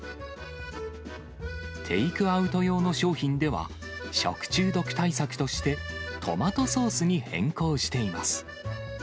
テイクアウト用の商品では、食中毒対策として、トマトソースに変更しています。